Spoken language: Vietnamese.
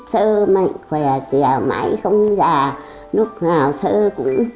sơ mạnh khỏe chèo mãi không già lúc nào sơ cũng tươi thăm như là bông hoa trên cành